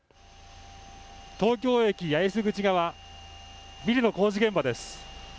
東京駅八重洲口側、ビルの工事現場です。